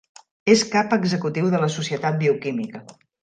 És cap executiu de la Societat Bioquímica.